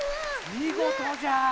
みごとじゃ！